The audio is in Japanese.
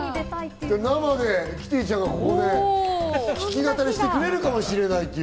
生でキティちゃんがここで弾き語りしてくれるかもしれない。